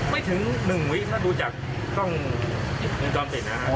ไม่ถึง๑วิคถ้าดูจากกล้องดำติดนะค่ะ